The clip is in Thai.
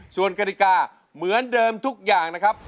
ส่วนกฎิกาเหมือนเดิมทุกอย่างนะครับ